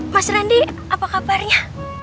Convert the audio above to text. mas randy apa kabarnya